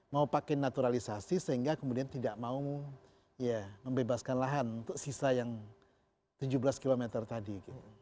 mau pakai naturalisasi sehingga kemudian tidak mau ya membebaskan lahan untuk sisa yang tujuh belas km tadi